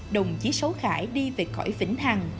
đồng chí sáu khải đi về khỏi vĩnh hằng